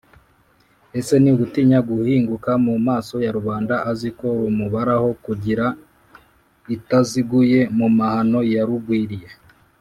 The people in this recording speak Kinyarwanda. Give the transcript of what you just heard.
Ese ni ugutinya guhinguka mu maso ya Rubanda azi ko rumubaraho kugira itaziguye mu mahano yarugwiriye?